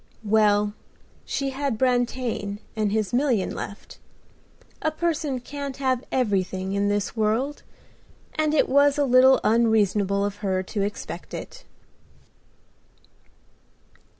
Well, she had Brantain and his million left. A person can't have everything in this world; and it was a little unreasonable of her to expect it.